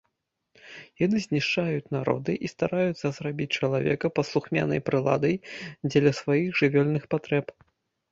Яны знішчаюць народы і стараюцца зрабіць чалавека паслухмянай прыладай дзеля сваіх жывёльных патрэб.